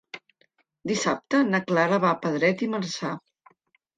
Dissabte na Clara va a Pedret i Marzà.